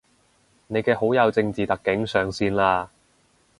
你嘅好友正字特警上線喇